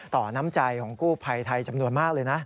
น้ำใจของกู้ภัยไทยจำนวนมากเลยนะ